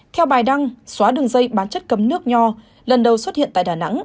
theo bài đăng xóa đường dây bán chất cấm nước nho lần đầu xuất hiện tại đà nẵng